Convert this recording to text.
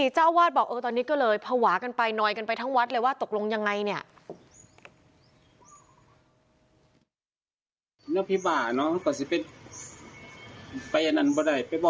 เจ้าอาวาสบอกตอนนี้ก็เลยภาวะกันไปนอยกันไปทั้งวัดเลยว่าตกลงยังไงเนี่ย